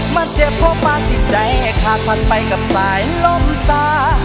มันเจ็บเพราะบ้างที่ใจให้ขาดผ่านไปกับสายลมสา